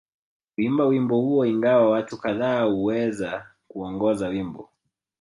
Kuimba wimbo huo ingawa watu kadhaa huweza kuongoza wimbo